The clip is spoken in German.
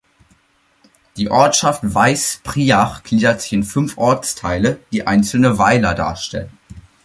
Die Ortschaft Weißpriach gliedert sich in fünf Ortsteile, die einzelne Weiler darstellen.